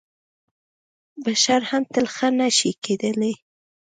بشر هم تل ښه نه شي کېدلی .